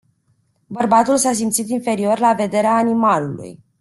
Bărbatul s-a simțit inferior la vederea animalului.